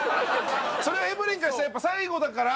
それはエブリンからしたらやっぱ最後だから。